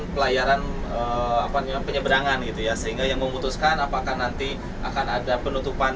pelayaran apanya penyeberangan itu ya sehingga yang memutuskan apakah nanti akan ada penutupan